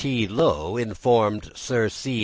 T. Lowe informed Sir C.